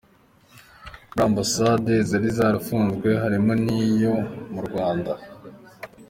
Muri Ambasade zari zarafunzwe harimo n’iyo mu Rwanda.